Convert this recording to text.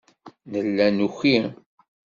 Nella nuki.